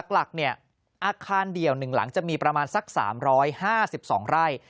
หลักอาคารเดี่ยว๑หลังจะมีประมาณสัก๓๕๒ไร่